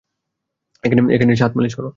এখানে এসে হাত মালিশ কর।